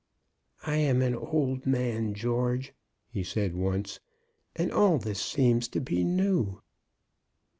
"I am an old man, George," he said once, "and all this seems to be new."